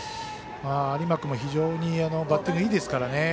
有馬君も非常にバッティングいいですからね。